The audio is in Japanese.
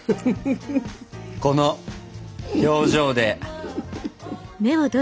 この表情で。